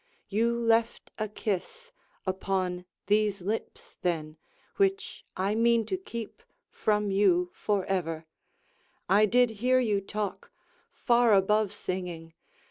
You left a kiss Upon these lips then, which I mean to keep From you for ever; I did hear you talk, Far above singing.